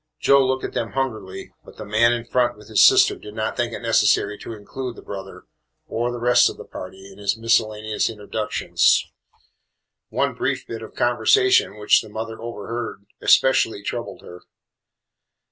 Joe looked at them hungrily, but the man in front with his sister did not think it necessary to include the brother or the rest of the party in his miscellaneous introductions. One brief bit of conversation which the mother overheard especially troubled her.